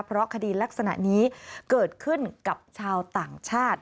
เพราะคดีลักษณะนี้เกิดขึ้นกับชาวต่างชาติ